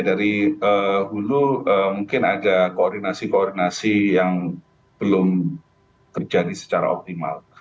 dari hulu mungkin ada koordinasi koordinasi yang belum terjadi secara optimal